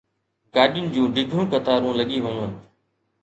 گاڏين جون ڊگهيون قطارون لڳي ويون.